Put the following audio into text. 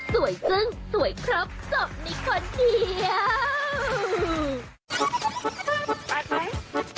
สวยจึ้งสวยครับจบนี้คนเดียว